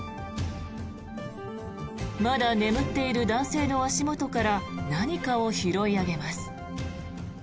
まだ眠っている男性の足元から何かを拾い上げます。